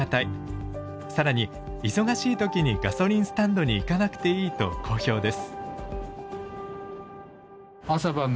更に忙しい時にガソリンスタンドに行かなくていいと好評です。